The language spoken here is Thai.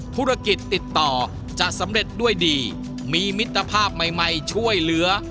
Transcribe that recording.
ธุรกิจติดต่อจะสำเร็จด้วยดีมีมิตรภาพใหม่ช่วยเหลือ